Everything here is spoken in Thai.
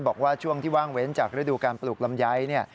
บอกว่าช่วงที่ว่างเว้นจากฤดูการปลูกลำไยเนี่ย